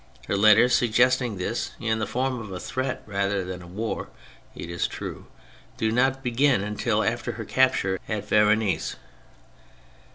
Her letters suggesting this (in the form of a threat rather than a war, it is true) do not begin until after her capture at Varennes.